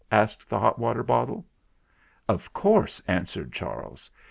asked the hot water bottle. "Of course," answered Charles.